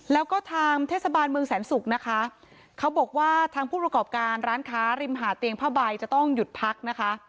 แล้วก็ทางเทศบาลเมืองแสนศุกร์นะคะเขาบอกว่าทางผู้ประกอบการร้านค้าริมหาเตียงผ้าใบจะต้องหยุดพักนะคะ